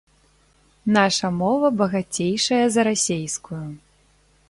Наша мова багацейшая за расейскую.